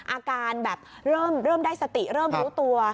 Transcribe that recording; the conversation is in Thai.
อาการแบบเริ่มได้สติเริ่มรู้ตัว